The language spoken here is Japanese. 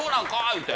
言うて。